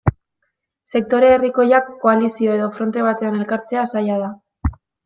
Sektore herrikoiak koalizio edo fronte batean elkartzea zaila da.